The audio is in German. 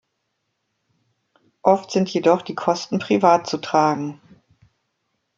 Oft sind jedoch die Kosten privat zu tragen.